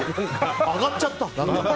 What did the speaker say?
上がっちゃった。